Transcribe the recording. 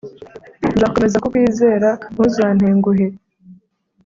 nzakomeza kukwizera ntuzantenguhe